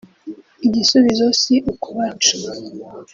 Igisubizo si ukubaca